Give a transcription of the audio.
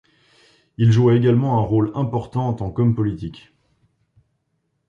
Il joua également un rôle important en tant qu'homme politique.